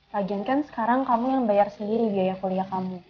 rajinkan sekarang kamu yang bayar sendiri biaya kuliah kamu